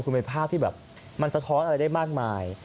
คุณเป็นภาพที่แบบมันสะท้อนอะไรได้มากมาย